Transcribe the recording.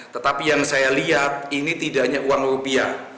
tetapi yang saya lihat ini tidak hanya uang rupiah